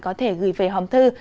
có thể gửi về hòm thư